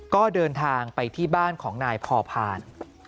ก็เดินทางไปที่บ้านของนายพอพาน